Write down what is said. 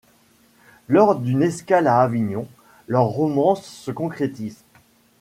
Lors d'une escale à Avignon, leur romance se concrétise.